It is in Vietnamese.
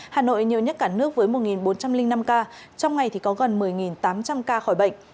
hà nội nhiều nhất cả nước với một bốn trăm linh năm ca trong ngày thì có gần một mươi tám trăm linh ca khỏi bệnh